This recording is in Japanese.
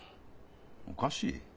おかしい？